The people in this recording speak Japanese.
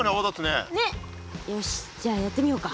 よしじゃあやってみようか。